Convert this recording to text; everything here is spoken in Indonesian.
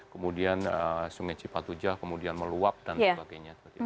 kemudian sungai cipatujah kemudian meluap dan sebagainya